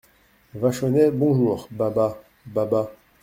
Vachonnet Bonjour, Baba … baba …